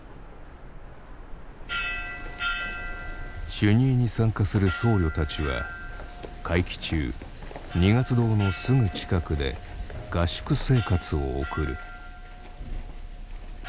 修二会に参加する僧侶たちは会期中二月堂のすぐ近くで合宿生活を送る。